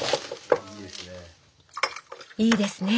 いいですね。